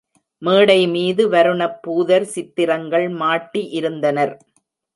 மேடை மீது வருணப் பூதர் சித்திரங்கள் மாட்டி இருந்தனர்.